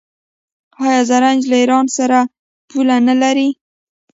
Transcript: آیا زرنج له ایران سره پوله نلري؟